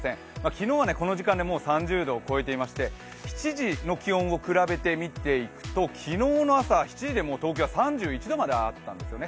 昨日はこの時間でもう３０度を超えていまして、７時の気温を比べてみてみると昨日の朝は７時でも東京は３１度あったんですよね。